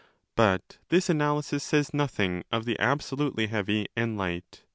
But this analysis says nothing of the absolutely heavy and light.